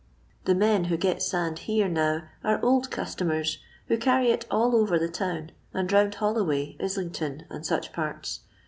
The men who get sand here now are old cu.it'«mer8, who carry it all over the town, 9S» round Hollo way, Islington, and such parts.